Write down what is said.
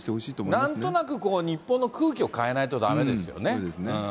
なんとなく日本の空気を変えないとだめですよね。